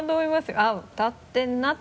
「あっ歌ってるな」って。